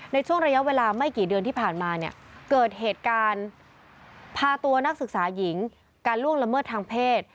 ในช่วงระยะเวลาไม่กี่เดือนที่ผ่านมาเนี่ยเกิดเหตุการณ์พาตัวนักศึกษาหญิงการล่วงละเมิดทางเพศ